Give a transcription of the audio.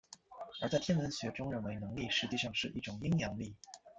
而在天文学中认为农历实际上是一种阴阳历。